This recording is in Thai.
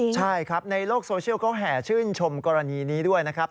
ใช่ครับในโลกโซเชียลเขาแห่ชื่นชมกรณีนี้ด้วยนะครับ